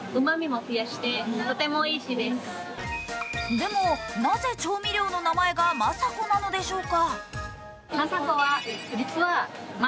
でもなぜ調味料の名前がマサコなのでしょうか。